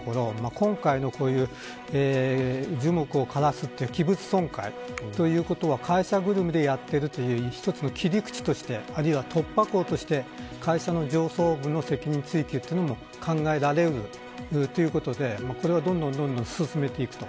今回の樹木を枯らすという器物損壊ということは会社ぐるみでやってるという一つの切り口としてあるいは突破口として会社の上層部への責任追及も考えられるということでこれをどんどん進めていくと。